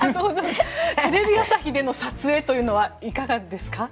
テレビ朝日での撮影というのはいかがですか？